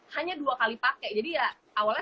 hanya dua kali pakai jadi ya awalnya